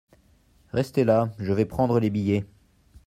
Restez là, je vais prendre les billets…